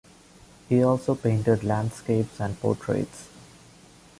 He also painted landscapes and portraits.